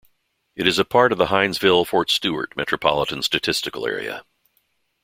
It is a part of the Hinesville-Fort Stewart metropolitan statistical area.